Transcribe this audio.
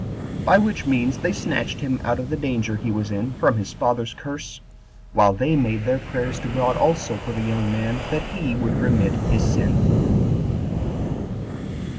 By which means they snatched him out of the danger he was in from his father's curse, while they made their prayers to God also for the young man, that he would remit his sin.